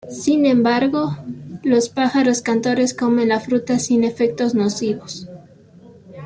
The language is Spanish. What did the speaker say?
Sin embargo, los pájaros cantores comen la fruta sin efectos nocivos.